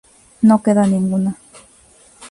No queda ninguna.